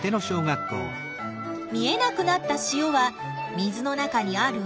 見えなくなった塩は水の中にある？